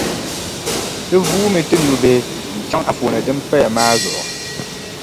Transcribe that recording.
Ti vuumi ti nubihi n-chaŋ anfooni din paya maa zuɣu.